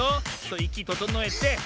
いきととのえて。